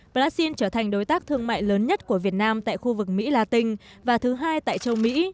brazil trở thành đối tác thương mại lớn nhất của việt nam tại khu vực mỹ la tinh và thứ hai tại châu mỹ